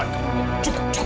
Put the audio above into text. aku harus bangun